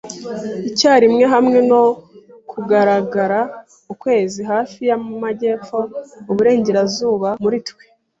icyarimwe hamwe no kugaragara ukwezi. Hafi y'amajyepfo-uburengerazuba muri twe